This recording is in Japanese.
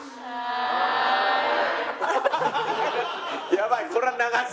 やばい。